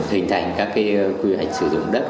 hình thành các quy hoạch sử dụng đất